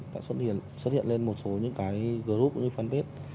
đã xuất hiện lên một số những cái group như fanpage